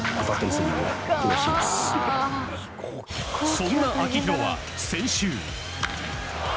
そんな秋広は先週。